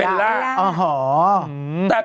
เบลล่าเบลล่า